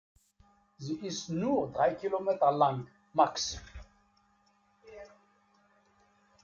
Sie ist nur drei Kilometer lang, max.